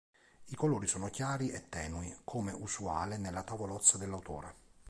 I colori sono chiari e tenui, come usuale nella tavolozza dell'autore.